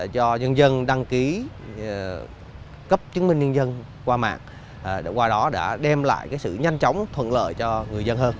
cho nhân dân đăng ký cấp chứng minh nhân dân qua mạng để qua đó đã đem lại sự nhanh chóng thuận lợi cho người dân hơn